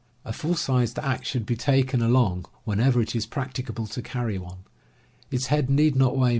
A full sized axe should be taken along whenever it is practicable to carry one. Its head need not weigh